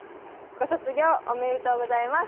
ご卒業おめでとうございます。